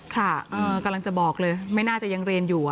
ค่ะกำลังจะบอกเลยไม่น่าจะยังเรียนอยู่